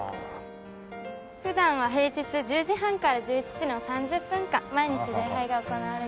普段は平日１０時半から１１時の３０分間毎日礼拝が行われています。